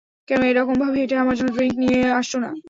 কেন এরকমভাবে হেঁটে আমার জন্য ড্রিংক্স নিয়ে আসছো না?